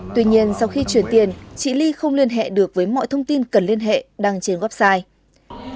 tuy nhiên sau khi chuyển tiền chị ly không liên hệ được với mọi thông tin cần liên hệ đăng trên website